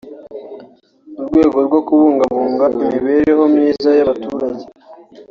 mu rwego rwo kubungabunga imibereho myiza y’abaturage